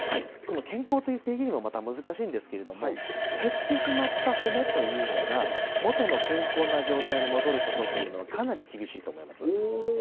健康という定義も難しいんですけど、減ってしまった骨というのが元の健康な状態に戻ることというのはかなり厳しいと思います。